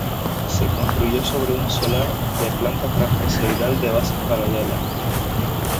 Se construyó sobre un solar de planta trapezoidal de bases paralelas.